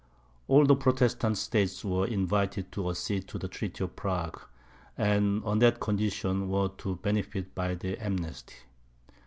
All the Protestant states were invited to accede to the treaty of Prague, and on that condition were to benefit by the amnesty.